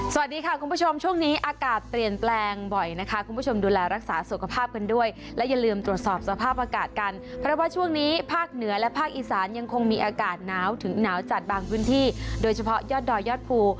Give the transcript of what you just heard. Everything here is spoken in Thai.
สวัสดีค่ะคุณผู้ชมช่วงนี้อากาศเปลี่ยนแปลงบ่อยนะคะคุณผู้ชมดูแลรักษาสุขภาพกันด้วยและอย่าลืมตรวจสอบสภาพอากาศกันเพราะว่าช่วงนี้ภาคเหนือและภาคอีสานยังคงมีอากาศหนาวถึงหนาวจัดบางพื้นที่โดยเฉพาะยอดดอยยอดภู